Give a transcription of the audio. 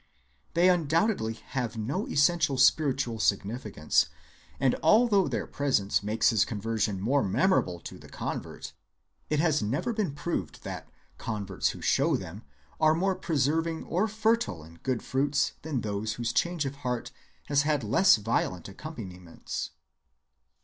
(137) They undoubtedly have no essential spiritual significance, and although their presence makes his conversion more memorable to the convert, it has never been proved that converts who show them are more persevering or fertile in good fruits than those whose change of heart has had less violent accompaniments.